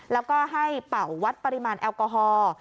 แล้วก็ให้เป่าวัดปริมาณแอลกอฮอล์